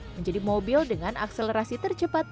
menjadi mobil dengan akselerasi tercepat